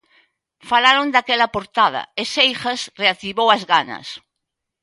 Falaron daquela portada, e Seijas reactivou as ganas.